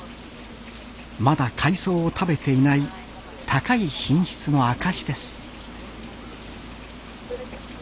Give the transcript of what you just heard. まだ海藻を食べていない高い品質の証しです